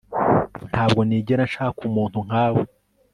Ntabwo nigera nshaka umuntu nkawe